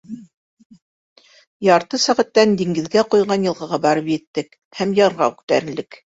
Ярты сәғәттән диңгеҙгә ҡойған йылғаға барып еттек һәм ярға күтәрелдек.